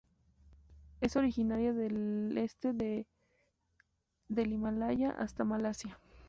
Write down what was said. Es originaria del este del Himalaya hasta Malasia.